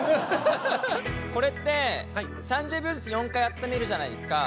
これって３０秒ずつ４回温めるじゃないですか。